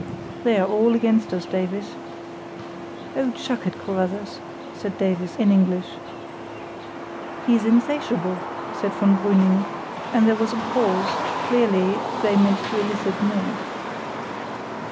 "They're all against us, Davies." "Oh, chuck it, Carruthers!" said Davies, in English. "He's insatiable," said von Brüning, and there was a pause; clearly, they meant to elicit more.